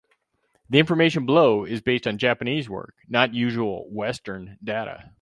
The information below is based on Japanese work, not on usual 'western' data.